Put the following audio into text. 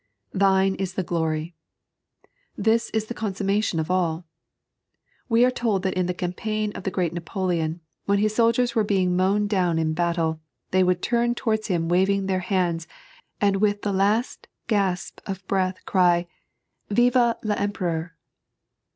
" Thine m the glory." This is the consummation of all. We are told that in the campaign of the great Napoleon, when his soldiers were being mown down in battle, they would turn towards him waving their hands, and with the last gasp of breath cry; " Ftw VEmpere:ur!"